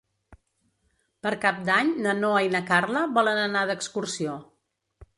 Per Cap d'Any na Noa i na Carla volen anar d'excursió.